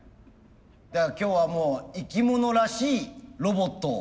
では今日はもう生き物らしいロボットを。